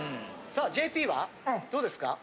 さあＪＰはどうですか？